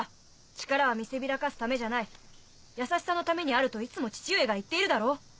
力は見せびらかすためじゃない優しさのためにあるといつも父上が言っているだろ。